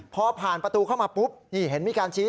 พอผ่านประตูเข้ามาปุ๊บนี่เห็นมีการชี้